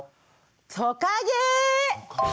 トカゲ！